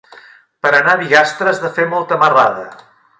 Per anar a Bigastre has de fer molta marrada.